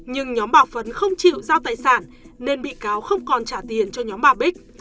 nhưng nhóm bà phấn không chịu giao tài sản nên bị cáo không còn trả tiền cho nhóm bà bích